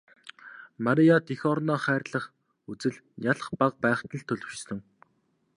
Марияд эх орноо хайрлах үзэл нялх бага байхад нь л төлөвшсөн.